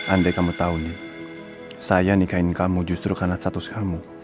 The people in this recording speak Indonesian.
andai kamu tahu nih saya nikahin kamu justru karena status kamu